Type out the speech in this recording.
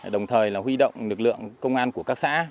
đồng thời là huy động lực lượng công an của các xã